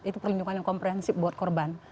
itu perlindungan yang komprehensif buat korban